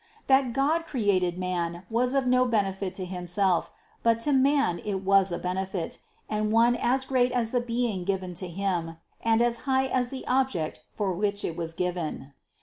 That God created man was of no benefit to Himself; but to man it was a benefit, and one as great as the being given to him, and as high as the object for which it was given.